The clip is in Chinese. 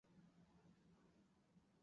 其位置即为现今的自治领剧院。